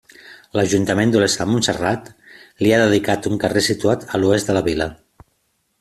L’ajuntament d’Olesa de Montserrat li ha dedicat un carrer situat a l’oest de la vila.